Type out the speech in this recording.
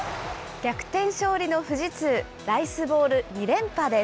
逆転勝利の富士通、ライスボウル２連覇です。